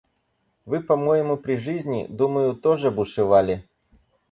Вы по-моему при жизни – думаю — тоже бушевали.